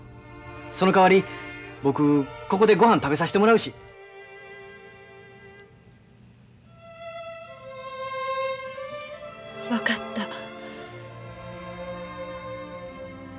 そのかわり僕ここでごはん食べさしてもらうし。分かった。